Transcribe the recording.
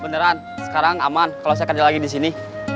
beneran sekarang aman kalau saya kerja lagi disini